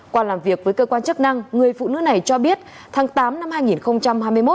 qua làm việc với cơ quan chức năng người phụ nữ này cho biết tháng tám năm hai nghìn hai mươi một